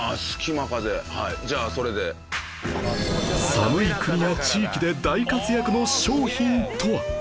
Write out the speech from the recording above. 寒い国や地域で大活躍の商品とは？